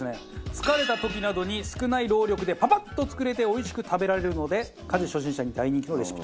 疲れた時などに少ない労力でパパッと作れておいしく食べられるので家事初心者に大人気のレシピと。